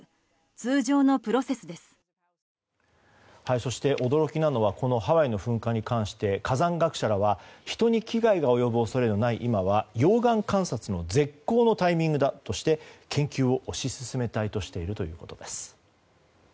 そして驚きなのはこのハワイの噴火に関して火山学者らは人に危害が及ぶ恐れのない今は溶岩観察の絶好のタイミングだとして研究を推し進めたいとしているということです。